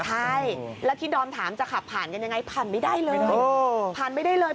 ใช่แล้วที่ดอมถามจะขับผ่านกันยังไงผ่านไม่ได้เลย